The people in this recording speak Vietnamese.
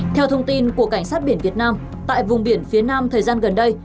theo thông tin của cảnh sát biển việt nam tại vùng biển phía nam thời gian gần đây